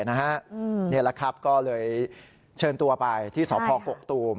นี่แหละครับก็เลยเชิญตัวไปที่สพกกตูม